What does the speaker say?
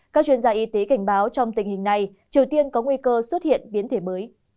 các chuyên gia y tế cảnh báo trong tình hình này triều tiên có nguy cơ xuất hiện biến thể mới